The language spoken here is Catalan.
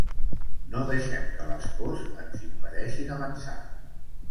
No deixem que les pors ens impedeixin avançar.